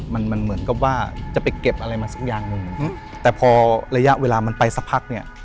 มันมันเหมือนกับว่าจะไปเก็บอะไรมาสักอย่างหนึ่งแต่พอระยะเวลามันไปสักพักเนี่ย